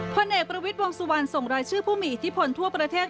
พลเอกประวิทย์วงสุวรรณส่งรายชื่อผู้มีอิทธิพลทั่วประเทศ